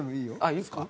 いいですか？